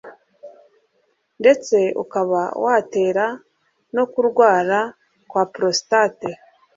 ndetse ukaba watera no kurwara kwa prostate.